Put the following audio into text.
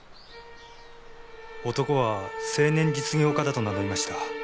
男は青年実業家だと名乗りました。